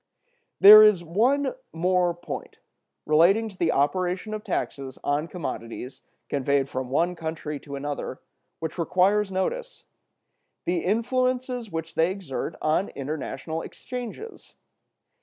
There is one more point, relating to the operation of taxes on commodities conveyed from one country to another, which requires notice: the influences which they exert on international exchanges.